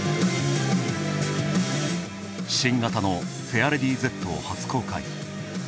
新型のフェアレディＺを初公開。